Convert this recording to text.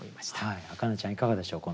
明音ちゃんいかがでしょう？